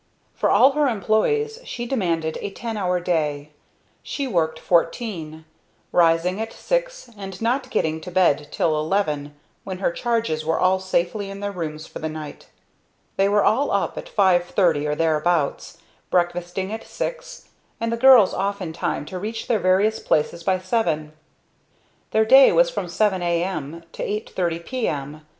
For all her employees she demanded a ten hour day, she worked fourteen; rising at six and not getting to bed till eleven, when her charges were all safely in their rooms for the night. They were all up at five thirty or thereabouts, breakfasting at six, and the girls off in time to reach their various places by seven. Their day was from 7 A. M. to 8.30 P. M.